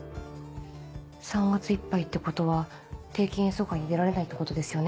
３月いっぱいってことは定期演奏会に出られないってことですよね。